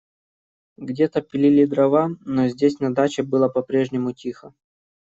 Где-то пилили дрова, но здесь, на даче, было по-прежнему тихо.